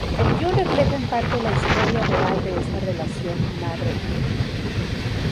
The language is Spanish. El guion refleja en parte la historia real de esta relación madre-hija.